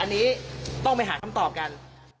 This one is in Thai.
อันนี้ต้องไปหาคำตอบกัน